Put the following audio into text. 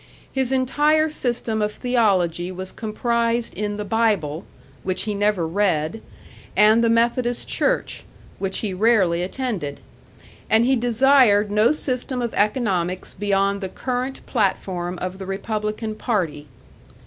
His entire system of theology was comprised in the Bible, which he never read, and the Methodist Church, which he rarely attended; and he desired no system of economics beyond the current platform of the Republican party.